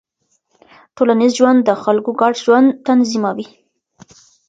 ټولنیز جوړښت د خلکو ګډ ژوند تنظیموي.